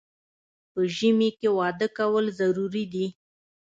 په ژمي کې واده کول ضروري دي